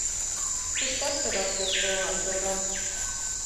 — Туштат тыгак тӧрштылынат докан.